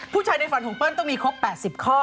ในฝันของเปิ้ลต้องมีครบ๘๐ข้อ